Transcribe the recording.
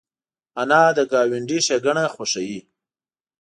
انا د ګاونډي ښېګڼه خوښوي